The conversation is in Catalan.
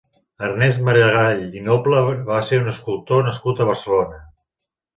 Ernest Maragall i Noble va ser un escultor nascut a Barcelona.